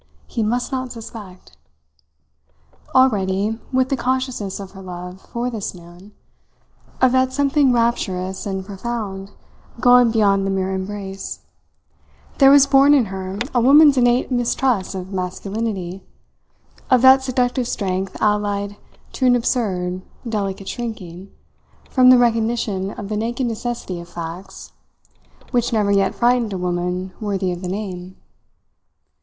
He must not suspect! Already, with the consciousness of her love for this man, of that something rapturous and profound going beyond the mere embrace, there was born in her a woman's innate mistrust of masculinity, of that seductive strength allied to an absurd, delicate shrinking from the recognition of the naked necessity of facts, which never yet frightened a woman worthy of the name.